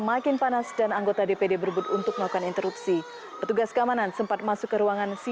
rapat yang digelar di gedung nusantara v